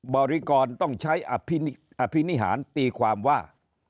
บริกรต้องใช้อภินิหารตีความว่า